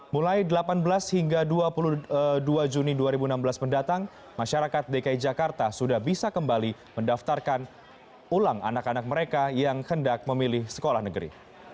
mulai delapan belas hingga dua puluh dua juni dua ribu enam belas mendatang masyarakat dki jakarta sudah bisa kembali mendaftarkan ulang anak anak mereka yang hendak memilih sekolah negeri